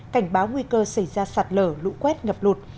cảnh báo nguy cơ xảy ra sạt lở lũ quét ngập lụt